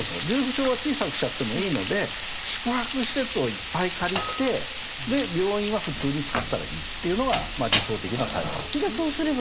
重症用は小さくしちゃってもいいので宿泊施設をいっぱい借りて病院は普通に使ったらいいっていうのが理想的な対応なんです。